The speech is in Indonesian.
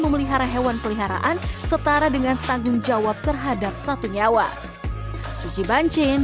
memelihara hewan peliharaan setara dengan tanggung jawab terhadap satu nyawa